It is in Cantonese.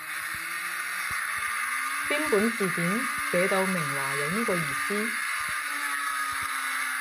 邊本字典寫到明話有呢個意思？